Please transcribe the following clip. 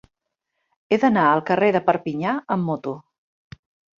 He d'anar al carrer de Perpinyà amb moto.